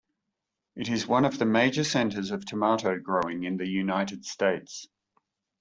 It is one of the major centers of tomato growing in the United States.